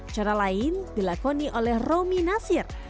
cara lain dilakoni oleh romi nasir